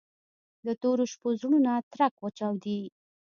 د تورو شپو زړونه ترک وچاودي